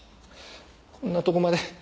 こんなとこまで。